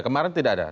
kemarin tidak ada